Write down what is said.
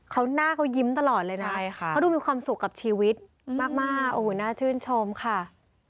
เขาหน้าเขายิ้มตลอดเลยนะเขาดูมีความสุขกับชีวิตมากโอ้โหน่าชื่นชมค่ะ